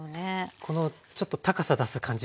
このちょっと高さ出す感じですかね。